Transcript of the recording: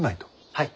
はい。